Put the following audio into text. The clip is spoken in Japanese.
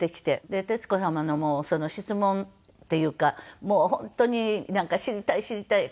で徹子様の質問っていうかもう本当になんか知りたい知りたい